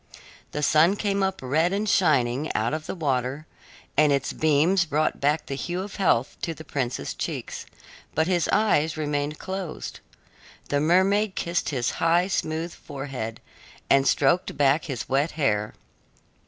The sun came up red and shining out of the water, and its beams brought back the hue of health to the prince's cheeks, but his eyes remained closed. The mermaid kissed his high, smooth forehead and stroked back his wet hair.